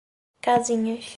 Casinhas